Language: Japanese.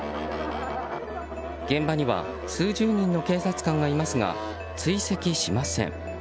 現場には数十人の警察官がいますが追跡しません。